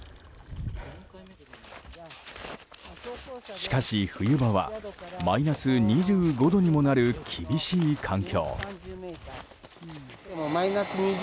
しかし、冬場はマイナス２５度にもなる厳しい環境。